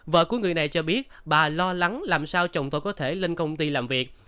vợ của người này cho biết bà lo lắng làm sao chồng tôi có thể lên công ty làm việc